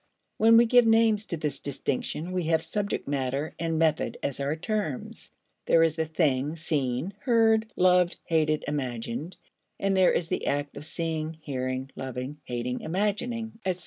When we give names to this distinction we have subject matter and method as our terms. There is the thing seen, heard, loved, hated, imagined, and there is the act of seeing, hearing, loving, hating, imagining, etc.